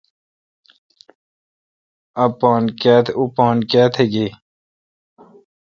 اں پان کیا تھ گے°